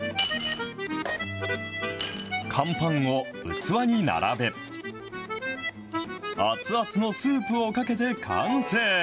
乾パンを器に並べ、熱々のスープをかけて完成。